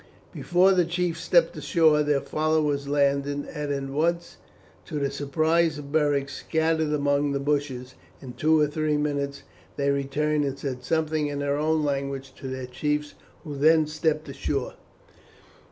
Before the chiefs stepped ashore their followers landed, and at once, to the surprise of Beric, scattered among the bushes. In two or three minutes they returned and said something in their own language to their chiefs, who then stepped ashore.